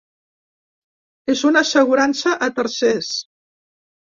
És una assegurança a tercers.